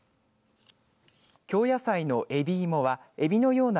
京野菜のえびいもはえびのような